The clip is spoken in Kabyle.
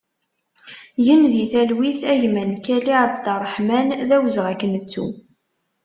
Gen di talwit a gma Nekali Abderraḥman, d awezɣi ad k-nettu!